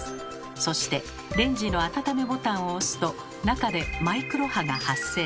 そしてレンジの「あたためボタン」を押すと中でマイクロ波が発生。